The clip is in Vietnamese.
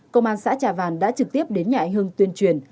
công an xã trà vàn đã trực tiếp đến nhà anh hưng tuyên truyền